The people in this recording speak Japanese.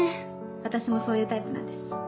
私もそういうタイプなんです。